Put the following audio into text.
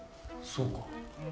そうか。